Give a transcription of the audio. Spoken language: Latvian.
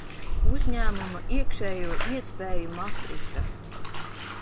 Uzņēmuma iekšējo iespēju matrica.